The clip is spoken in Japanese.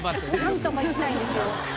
何とかいきたいんですよ。